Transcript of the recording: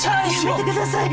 やめてください！